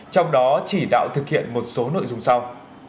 trong đó chỉ đạo thực hiện một số nội dung sau